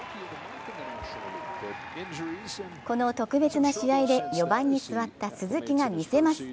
この特別な試合で４番にすわった鈴木が見せます。